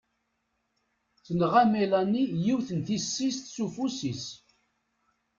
Tenɣa Melanie yiwet n tissist s ufus-is.